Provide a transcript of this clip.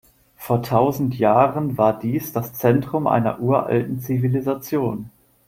Vor tausend Jahren war dies das Zentrum einer uralten Zivilisation.